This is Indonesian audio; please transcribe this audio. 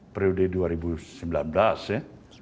periode dua ribu sembilan belas ya